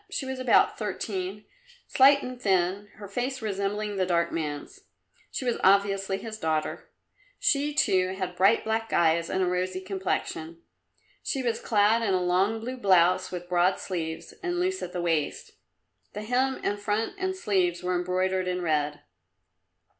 She was about thirteen, slight and thin, her face resembling the dark man's. She was obviously his daughter. She, too, had bright, black eyes and a rosy complexion. She was clad in a long blue blouse with broad sleeves, and loose at the waist the hem and front and sleeves were embroidered in red.